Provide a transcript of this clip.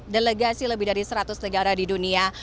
delegasi lebih dari seratus negara di dunia